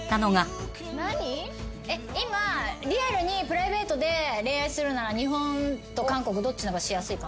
今リアルにプライベートで恋愛するなら日本と韓国どっちのがしやすいかな？